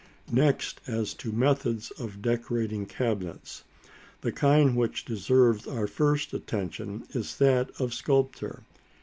Next as to methods of decorating cabinets, etc. The kind which deserves our first attention is that of sculpture.